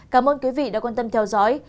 cảm ơn quý vị đã quan tâm theo dõi